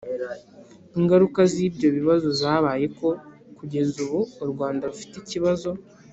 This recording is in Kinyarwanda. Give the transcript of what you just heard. ingaruka z'ibyo bibazo zabaye ko kugeza ubu u rwanda rufite ikibazo